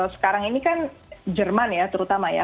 sekarang ini kan jerman ya terutama ya